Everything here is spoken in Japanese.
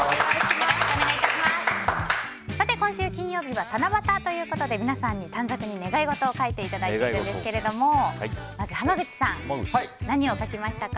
今週金曜日は七夕ということで皆さんに短冊に願い事を書いていただいているんですがまず濱口さんは何を書きましたか？